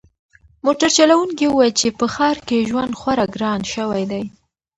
موټر چلونکي وویل چې په ښار کې ژوند خورا ګران شوی دی.